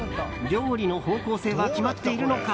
料理の方向性は決まっているのか。